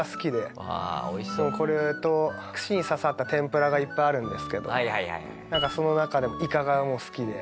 これと串に刺さった天ぷらがいっぱいあるんですけどその中でもイカが好きで。